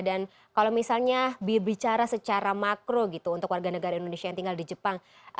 kalau misalnya bicara secara makro gitu untuk warga negara indonesia yang tinggal di jepang